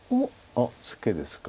あっツケですか。